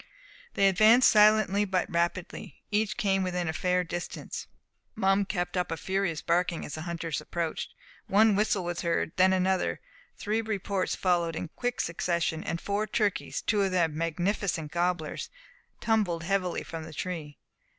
They advanced silently but rapidly. Each came within a fair distance. Mum kept up a furious barking as the hunters approached. One whistle was heard, then another; three reports followed in quick succession; and four turkeys, two of them magnificent gobblers, tumbled heavily from the tree.